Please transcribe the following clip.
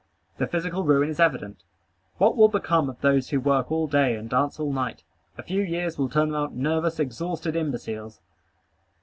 The physical ruin is evident. What will become of those who work all day and dance all night? A few years will turn them out nervous, exhausted imbeciles.